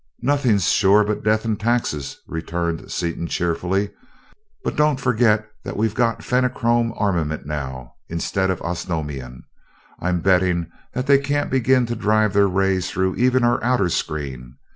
"Nothing sure but death and taxes," returned Seaton cheerfully, "but don't forget that we've got Fenachrone armament now, instead of Osnomian. I'm betting that they can't begin to drive their rays through even our outer screen.